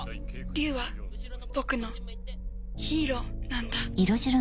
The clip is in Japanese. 竜は僕のヒーローなんだ。